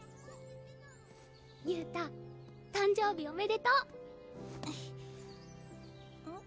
憂太誕生日おめでとうん？